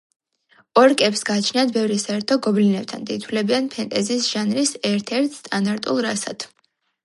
ორკებს გააჩნიათ ბევრი საერთო გობლინებთან და ითვლებიან ფენტეზის ჟანრის ერთ-ერთ სტანდარტულ რასად.